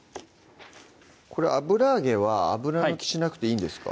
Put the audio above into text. これ油揚げは油抜きしなくていいんですか？